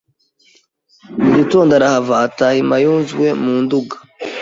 mu gitondo arahava ataha i Mayunzwe mu Nduga